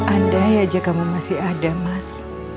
andai aja kamu masih ada mas